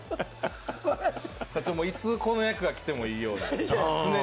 いつ、この役が来てもいいよ